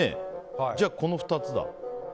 じゃあこの２つだ。